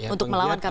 untuk melawan kpk